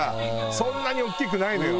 そんなに大きくないのよ。